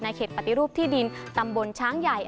เขตปฏิรูปที่ดินตำบลช้างใหญ่